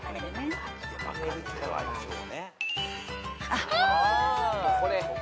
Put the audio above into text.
あっ。